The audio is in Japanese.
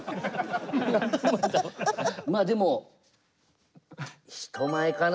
まあでも人前かな。